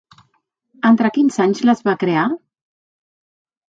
Entre quins anys les va crear?